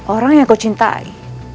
orang yang kau cintai